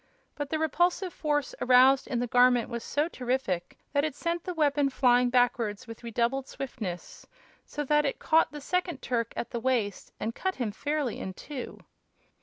But the repulsive force aroused in the Garment was so terrific that it sent the weapon flying backwards with redoubled swiftness, so that it caught the second Turk at the waist and cut him fairly in two.